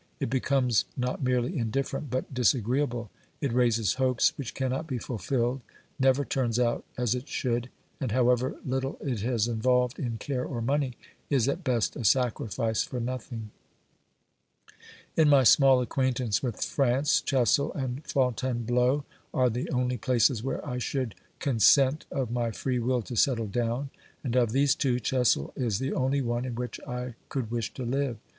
It becomes not merely indifferent, but disagreeable ; it raises hopes which cannot be fulfilled, never turns out as it should, and, however little it has involved in care or money, is at best a sacrifice for nothing. In my small acquaintance with France, Chessel and Fontainebleau are the only places where I should consent of my free will to settle down, and of these two Chessel is the only one in which I could wish to live.